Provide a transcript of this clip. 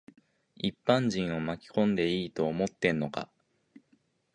一般人を巻き込んでいいと思ってんのか。